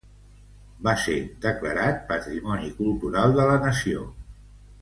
Va ser declarat Patrimoni Cultural de la Nació.